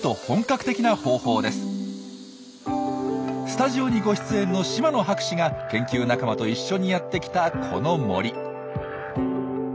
スタジオにご出演の島野博士が研究仲間と一緒にやってきたこの森。